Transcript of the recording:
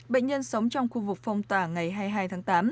bệnh nhân sống trong khu vực phong tỏa ngày hai mươi hai tháng tám